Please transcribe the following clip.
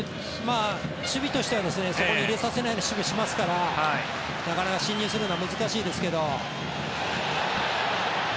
守備としてはそこに入れさせないような守備をしますからなかなか進入するのは難しいですけど。